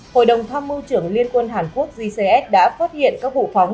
hội đồng tham mưu trưởng liên quân hàn quốc gcs đã phát hiện các vụ phóng